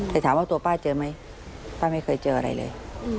แต่ถามว่าตัวป้าเจอไหมป้าไม่เคยเจออะไรเลย